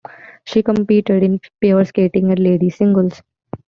She competed in pair skating and ladies singles.